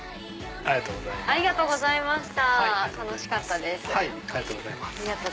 ありがとうございます。